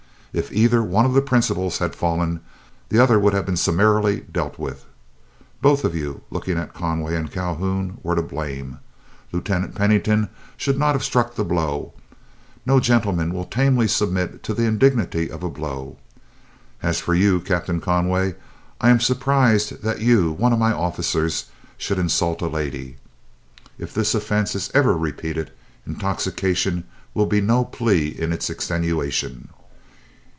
If either one of the principals had fallen, the other would have been summarily dealt with. Both of you," looking at Conway and Calhoun, "were to blame. Lieutenant Pennington should not have struck the blow: no gentleman will tamely submit to the indignity of a blow. As for you, Captain Conway, I am surprised that you, one of my officers, should insult a lady. If this offence is ever repeated, intoxication will be no plea in its extenuation.